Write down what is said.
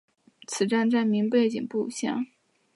此站站名背景不详。